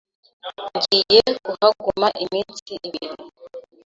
Ngiye kuhaguma iminsi ibiri.